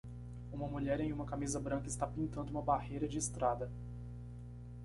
Uma mulher em uma camisa branca está pintando uma barreira de estrada.